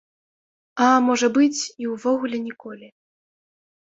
А можа быць, і ўвогуле ніколі.